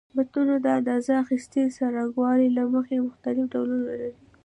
مترونه د اندازه اخیستنې د څرنګوالي له مخې مختلف ډولونه لري.